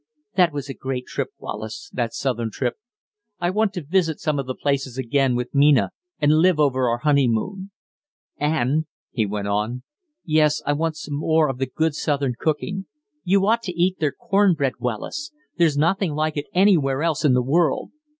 "That was a great trip, Wallace that southern trip. I want to visit some of the places again with Mina and live over our honeymoon. And," he went on "yes, I want some more of the good southern cooking. You ought to eat their cornbread, Wallace! there's nothing like it anywhere else in the world.